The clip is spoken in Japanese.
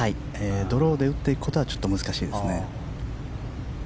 ドローで打っていくことは難しいですね。